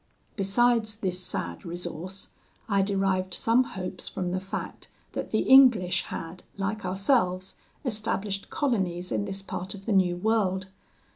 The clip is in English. "Besides this sad resource, I derived some hopes from the fact, that the English had, like ourselves, established colonies in this part of the New World.